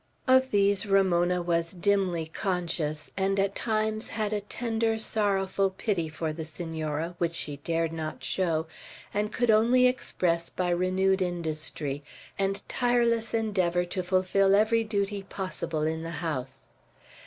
Of these Ramona was dimly conscious, and at times had a tender, sorrowful pity for the Senora, which she dared not show, and could only express by renewed industry, and tireless endeavor to fulfil every duty possible in the house.